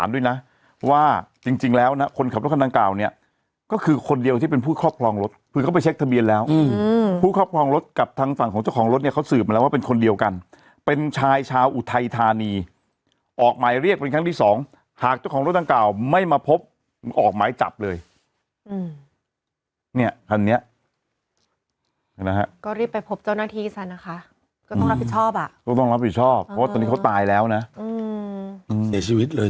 ด้วยนะว่าจริงจริงแล้วนะคนขับรถทางเก่าเนี้ยก็คือคนเดียวที่เป็นผู้ครอบครองรถคือเขาไปเช็คทะเบียนแล้วอืมผู้ครอบครองรถกับทางฝั่งของเจ้าของรถเนี้ยเขาสืบมาแล้วว่าเป็นคนเดียวกันเป็นชายชาวอุทัยธานีออกหมายเรียกเป็นครั้งที่สองหากเจ้าของรถทางเก่าไม่มาพบออกหมายจับเลยอืมเนี้ยคันนี้นะฮะก็รีบไป